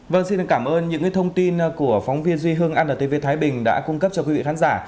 vâng xin cảm ơn những thông tin của phóng viên duy hương antv thái bình đã cung cấp cho quý vị khán giả